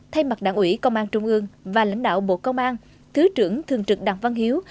thay mặt đảng ủy công an trung ương và lãnh đạo bộ công an thứ trưởng thường trực đặng văn hiếu